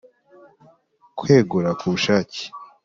Kwegura ku bushake;